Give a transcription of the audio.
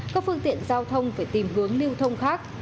các phương tiện giao thông phải tìm hướng lưu thông khác